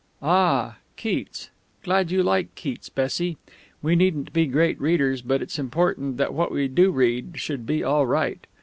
"Ah, Keats! Glad you like Keats, Bessie. We needn't be great readers, but it's important that what we do read should be all right.